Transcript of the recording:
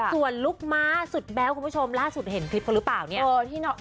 ส่วนลุ้กม้าสุดแบ๊บคุณผู้ชมล่าสุดเห็นคลิปของเธอรึเปล่า๔